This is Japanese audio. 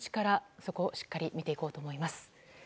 そこをしっかり見ていこうと思います。